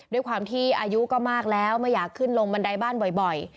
ด้วยความที่อายุก็มากแล้วไม่อยากขึ้นลงบันไดบ้านบ่อย